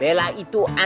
bela itu antum ya